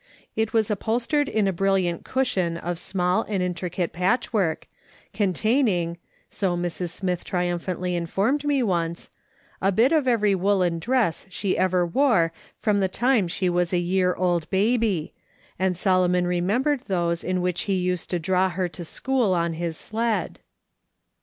It was upholstered in a brilliant cushion of small and intricate patchwork, containing — so Mrs. Smith triumphantly informed me once — a bit of every woollen dress she ever wore from the time she was a year old baby, and Solomon remembered those in which he used to draw her to school on his sled.